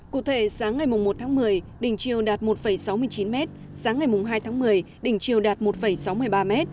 cụ thể sáng ngày một tháng một mươi đỉnh chiều đạt một sáu mươi chín m sáng ngày hai tháng một mươi đỉnh chiều đạt một sáu mươi ba m